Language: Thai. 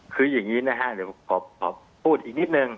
คืออย่างงี้นะฮะขอพูดอีกนิดนึง